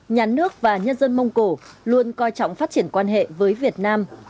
nhà nước và nhân dân mông cổ luôn coi trọng phát triển quan hệ với việt nam